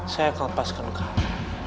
saya akan lepaskan kamu